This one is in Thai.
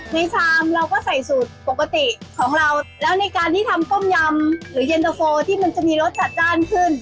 ชามเราก็ใส่สูตรปกติของเราแล้วในการที่ทำต้มยำหรือเย็นตะโฟที่มันจะมีรสจัดจ้านขึ้น